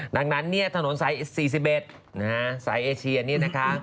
ดังนั้นถนนสาย๔๑สายเอเชียน